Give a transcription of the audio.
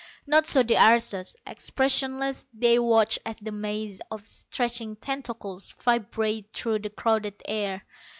Not so the aristos. Expressionless, they watched as the maze of stretching tentacles vibrated through the crowded air.